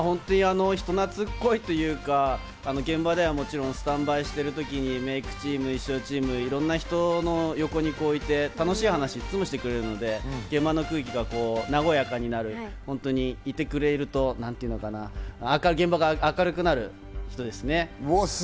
諒ちゃんは人なつっこいっていうか、スタンバイしているときにメイクチーム、衣装チーム、いろんな人の横にいて、楽しい話をいつもしてくれるので、現場の空気が和やかになるので、いてくれると何ていうのかな、現場が明るくなる人です。